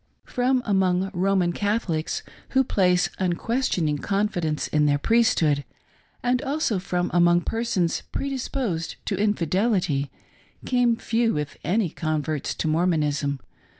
From among Roman Catholics, who place unquestioning confidence in their priesthood, and also from among persons predisposed to iniidelity, came few, if any, converts to Mormonism.